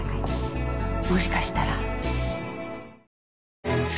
もしかしたら。